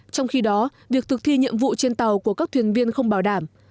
trong khi đó việc thực thi nhiệm vụ trên tàu của các thuyền viên không bảo đảm